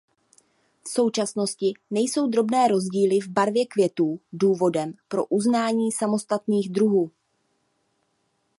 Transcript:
V současnosti nejsou drobné rozdíly v barvě květu důvodem pro uznání samostatných druhů.